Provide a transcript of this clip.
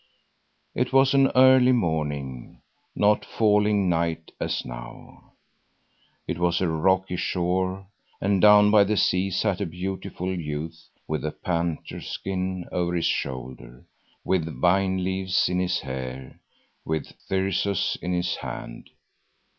It was an early morning, not falling night as now. It was a rocky shore, and down by the sea sat a beautiful youth with a panther skin over his shoulder, with vine leaves in his hair, with thyrsus in his hand.